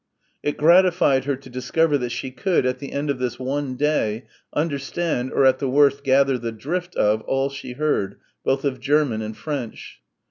It gratified her to discover that she could, at the end of this one day, understand or at the worst gather the drift of, all she heard, both of German and French.